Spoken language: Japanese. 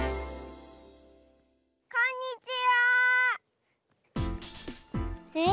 こんにちは！え？